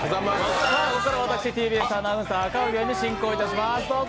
ここからは私、ＴＢＳアナウンサー、赤荻歩が進行いたします。